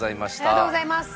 ありがとうございます！